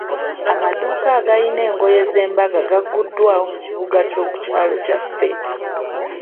Amadduuka agayina engoye z'embaga gaguddwawo mu bibuga by'oku kyalo kyabwe.